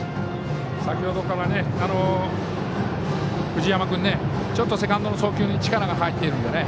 先ほどから、藤山君ちょっとセカンドの送球に力が入っているんでね。